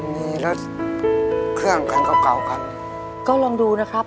มีรถเครื่องคันเก่าเก่าคันก็ลองดูนะครับ